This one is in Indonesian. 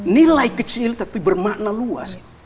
nilai kecil tapi bermakna luas